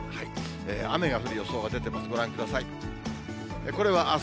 雨が降る予想が出てます。